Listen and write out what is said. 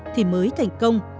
thì mới thành công